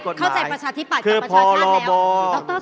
เข้าใจประชาธิบัติกับประชาชนแล้ว